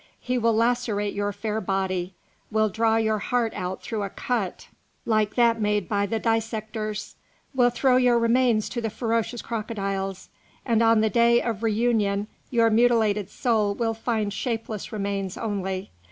He will lacerate your fair body, will draw your heart out through a cut like that made by the dissectors, will throw your remains to the ferocious crocodiles, and on the day of reunion your mutilated soul will find shapeless remains only.